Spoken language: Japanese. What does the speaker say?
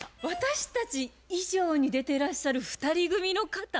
私たち以上に出てらっしゃる２人組の方？